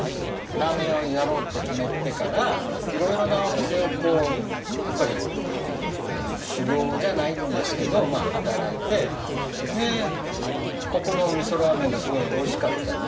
ラーメン屋をやろうって決めてからいろいろなお店をこうやっぱり修業じゃないんですけど働いてここの味噌ラーメンがすごい美味しかったんで。